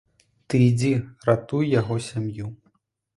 Ты ідзі, ратуй яго сям'ю.